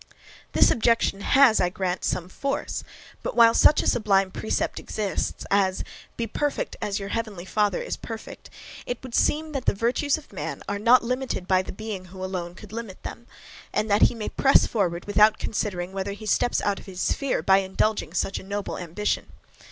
This objection has, I grant, some force; but while such a sublime precept exists, as, "be pure as your heavenly father is pure;" it would seem that the virtues of man are not limited by the Being who alone could limit them; and that he may press forward without considering whether he steps out of his sphere by indulging such a noble ambition.